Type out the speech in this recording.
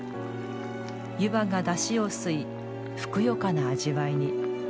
湯葉がだしを吸いふくよかな味わいに。